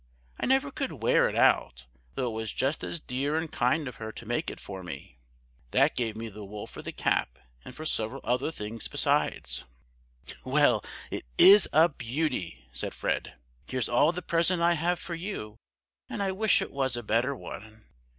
I never could wear it out, though it was just as dear and kind of her to make it for me. That gave me the wool for the cap, and for several other things beside." "Well, it is a beauty!" said Fred. "Here's all the present I have for you, and I wish it was a better one."